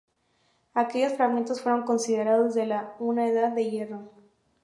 Aquellos fragmentos fueron considerados de la I Edad de Hierro.